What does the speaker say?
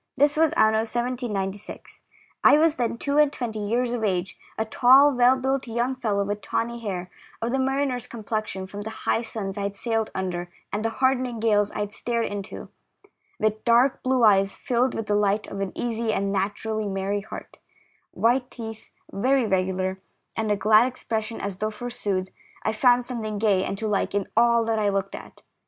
This was amio 1796. I was then two and twenty years of age, a tall, well built young fellow, with tawny hair, of the mariner's complexion, from the high suns I had sailed under and the hardening gales I had stared into, with dark blue eyes filled with the light of an easy and naturally merry heart, white teeth, very regular, and a glad expression as though, forsooth, I found something gay and to like in all that I looked at.